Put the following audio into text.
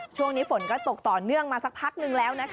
ช่วงนี้ฝนก็ตกต่อเนื่องมาสักพักนึงแล้วนะคะ